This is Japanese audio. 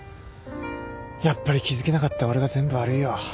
やっぱり気付けなかった俺が全部悪いよ。